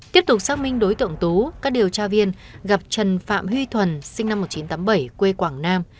tiếp tục xác minh đối tượng tú các điều tra viên gặp trần phạm huy thuần sinh năm một nghìn chín trăm tám mươi bảy quê quảng nam